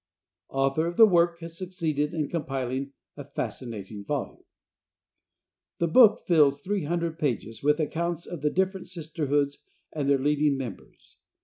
Author of the Work has Succeeded in Compiling "a Fascinating Volume." The book fills 300 pages with its accounts of the different Sisterhoods and their leading members.